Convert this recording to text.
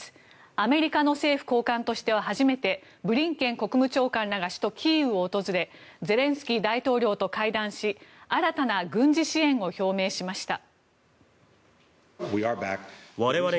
アメリカの政府高官としては初めてブリンケン国務長官らが首都キーウを訪れゼレンスキー大統領と会談し新たな軍事支援を表明しました。